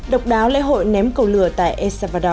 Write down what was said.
độc đáo lễ hội ném cầu lửa tại el salvador